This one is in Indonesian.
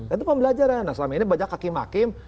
itu pembelajaran nah selama ini banyak hakim hakim